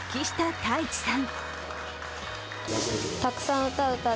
太智さん！